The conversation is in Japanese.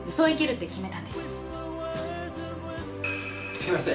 すみません